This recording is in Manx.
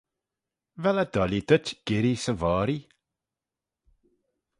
Vel eh doillee dhyt girree 'sy voghree?